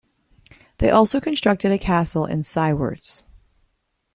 They also constructed a castle in Siewierz.